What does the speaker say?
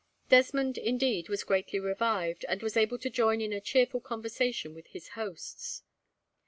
Desmond, indeed, was greatly revived, and was able to join in a cheerful conversation with his hosts.